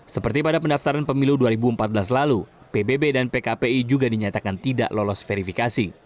seperti pada pendaftaran pemilu dua ribu empat belas lalu pbb dan pkpi juga dinyatakan tidak lolos verifikasi